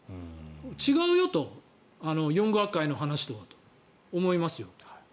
違うよと４学会の話と思います。